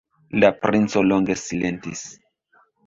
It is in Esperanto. La princo longe silentis.